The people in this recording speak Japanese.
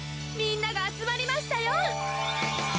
みんながあつまりましたよ！